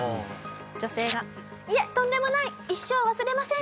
女性が「いえとんでもない一生忘れません」。